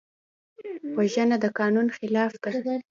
وژنه د قانون خلاف ده